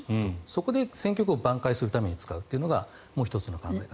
そこで戦局をばん回するために使うというのがもう１つ。